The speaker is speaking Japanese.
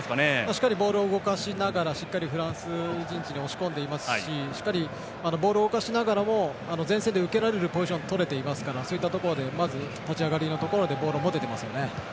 しっかりボールを動かしながらフランス陣地に押し込んでいますししっかりボールを動かしながらも前線で受けられるポジションをとっていますからまず、立ち上がりはボールを持てていますよね。